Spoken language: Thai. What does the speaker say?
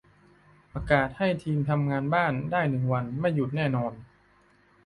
ประกาศให้ทีมทำงานบ้านได้หนึ่งวัน ไม่หยุดแน่นอน